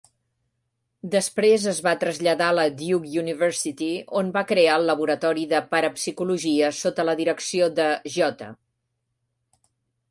Després es va traslladar a la Duke University, on va crear el Laboratori de Parapsicologia sota la direcció de J.